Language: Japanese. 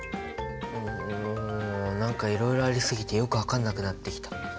ん何かいろいろありすぎてよく分かんなくなってきた。